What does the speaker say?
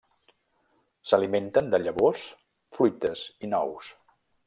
S'alimenten de llavors, fruites i nous.